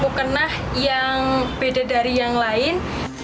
masing masing kain memiliki kain yang berbeda dari yang lain